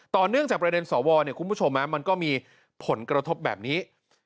เนื่องจากประเด็นสวคุณผู้ชมมันก็มีผลกระทบแบบนี้